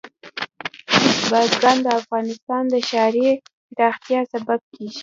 بزګان د افغانستان د ښاري پراختیا سبب کېږي.